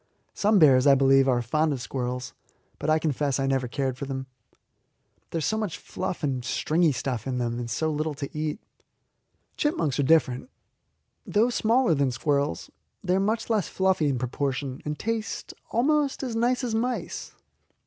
Some bears, I believe, are fond of squirrels, but I confess I never cared for them. There is so much fluff and stringy stuff in them, and so little to eat. Chipmunks are different. Though smaller than squirrels, they are much less fluffy in proportion, and taste almost as nice as mice.